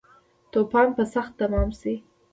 توپان به سخت تمام شی